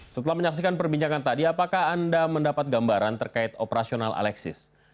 setelah menyaksikan perbincangan tadi apakah anda mendapat gambaran terkait operasional alexis